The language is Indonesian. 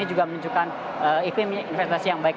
ini juga menunjukkan iklim investasi yang baik